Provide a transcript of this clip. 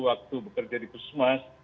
waktu bekerja di pusmas